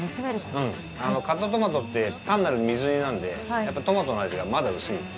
うんカットトマトって単なる水煮なんでやっぱトマトの味がまだ薄いです。